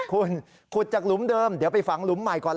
คุณขุดจากหลุมเดิมเดี๋ยวไปฝังหลุมใหม่ก่อน